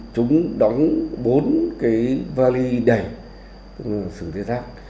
chúng đóng bốn cái vali đầy sừng tê giác